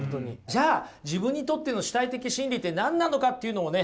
じゃあ自分にとっての主体的真理って何なのかっていうのをね